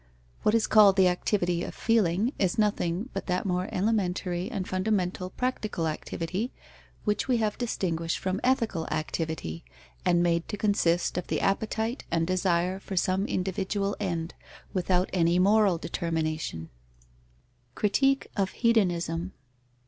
What is called the activity of feeling is nothing but that more elementary and fundamental practical activity, which we have distinguished from ethical activity, and made to consist of the appetite and desire for some individual end, without any moral determination. _Critique of hedonism.